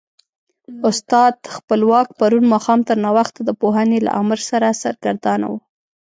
استاد خپلواک پرون ماښام تر ناوخته د پوهنې له امر سره سرګردانه و.